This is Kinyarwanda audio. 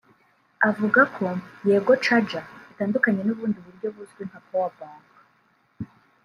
Avuga ko ‘Yego Charger’ itandukanye n’ubundi buryo buzwi nka ‘Power Bank’